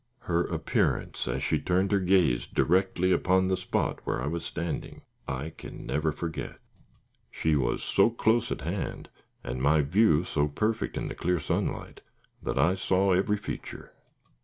Her appearance, as she turned her gaze directly upon the spot where I was standing, I can never forget. She was so close at hand, and my view so perfect in the clear sunlight, that I saw every feature.